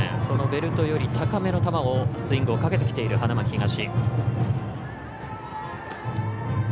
そのベルトより高めの球をスイングをかけてきている花巻東。